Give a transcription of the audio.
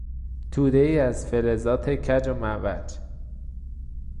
تودهای از فلزات کج و معوج